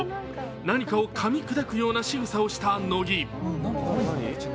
何かをかみ砕くようなしぐさをした乃木。